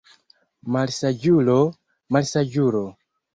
Malsaĝulo, malsaĝulo!